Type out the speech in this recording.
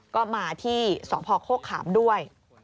ก็มาที่สพโฆขามด้วย